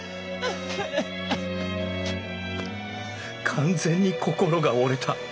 完全に心が折れた。